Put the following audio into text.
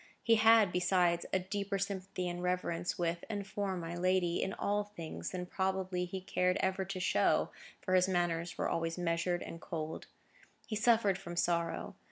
He had, besides, a deeper sympathy and reverence with, and for, my lady, in all things, than probably he ever cared to show, for his manners were always measured and cold. He suffered from sorrow.